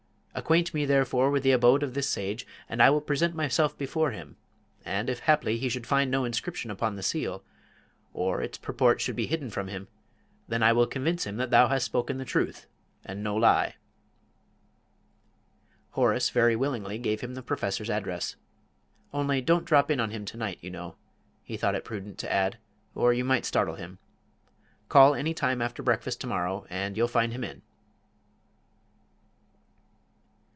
Acquaint me therefore with the abode of this sage, and I will present myself before him, and if haply he should find no inscription upon the seal, or its purport should be hidden from him, then will I convince him that thou hast spoken the truth and no lie." Horace very willingly gave him the Professor's address. "Only don't drop in on him to night, you know," he thought it prudent to add, "or you might startle him. Call any time after breakfast to morrow, and you'll find him in."